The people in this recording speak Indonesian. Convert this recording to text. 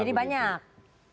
jadi banyak termasuk menolak ikn